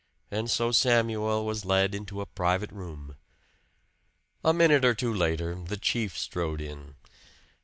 And so Samuel was led into a private room. A minute or two later "the chief" strode in.